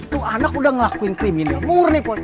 tuh anak udah ngelakuin kriminal murni pot